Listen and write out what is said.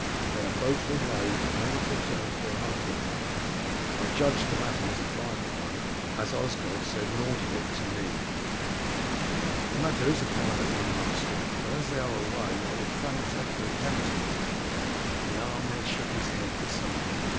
They are both away and may not return for a month or more. I judged the matter was a private one, as Osgod said nought of it to me." "The matter is a private one, master, but as they are away I would fain take your counsel on it." The armourer shook his head decidedly.